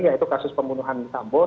yaitu kasus pembunuhan tambol